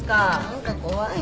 何か怖い。